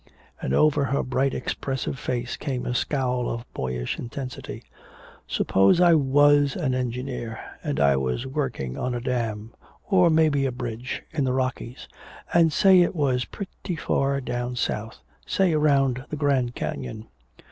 And over her bright expressive face came a scowl of boyish intensity: "Suppose I was an engineer and I was working on a dam, or may be a bridge, in the Rockies. And say it was pretty far down south say around the Grand Canyon.